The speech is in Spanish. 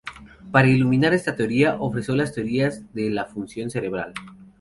Para iluminar esta teoría, ofreció las teorías de la función cerebral.